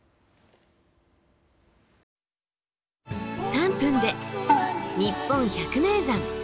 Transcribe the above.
３分で「にっぽん百名山」。